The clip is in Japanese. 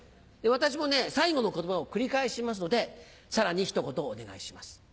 私も最後の言葉を繰り返しますのでさらに一言お願いします。